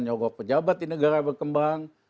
yang doyan nyogok pejabat di negara berkembang